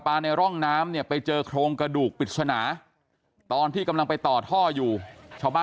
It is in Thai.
ปลายเท้ามีมีขาเป็นขาเป็นขา